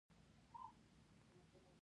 که څوک له توندلاریتوبه لاس واخلي.